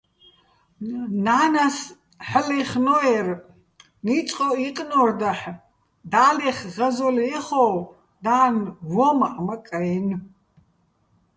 ნა́ნას ჰ̦ალო̆ ლაჲხნო́ერ, ნიწყოჸ ჲიკნო́რ დაჰ̦, და́ლეხ ღაზოლ ჲეხო́, და́ლნ ვო́მაჸ მაკ-ა́ჲნო̆.